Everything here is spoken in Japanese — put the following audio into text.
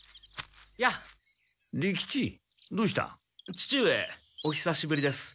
父上おひさしぶりです。